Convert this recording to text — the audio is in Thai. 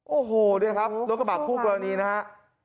โอ้โหรถกระบากพูดมาตรงนี้นะฮะ